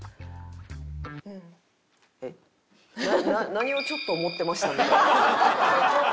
何をちょっと思ってましたみたいな。